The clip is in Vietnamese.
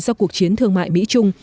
do cuộc chiến thương mại mỹ trung